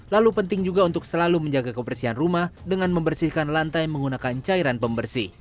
lalu penting juga untuk selalu menjaga kebersihan rumah dengan membersihkan lantai menggunakan cairan pembersih